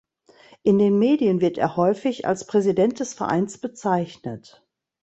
In den Medien wird er häufig als Präsident des Vereins bezeichnet.